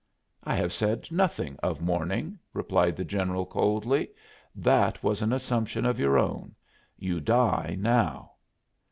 "I have said nothing of morning," replied the general, coldly; "that was an assumption of your own. You die now."